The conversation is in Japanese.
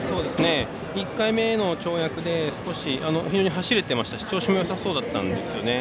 １回目の跳躍で非常に走れていましたし調子もよさそうだったんですよね。